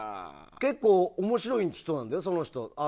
結構面白い人なんだよ、その人。